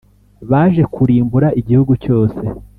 baje kurimbura igihugu cyose.